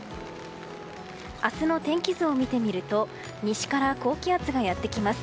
明日の天気図を見てみると西から高気圧がやってきます。